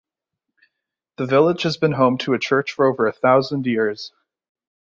The village has been home to a church for over a thousand years.